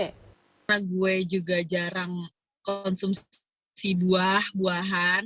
karena gue juga jarang konsumsi buah buahan